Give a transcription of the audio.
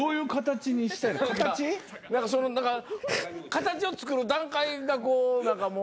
形を作る段階がこう何かもう。